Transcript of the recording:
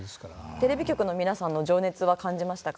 テレビ局の皆さんの情熱は感じましたか？